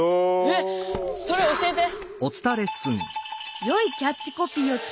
えっ⁉それ教えて！